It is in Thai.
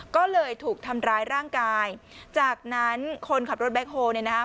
ก็เลยถูกทำร้ายร่างกายจากนั้นคนขับรถแบ็คโฮเนี่ยนะครับ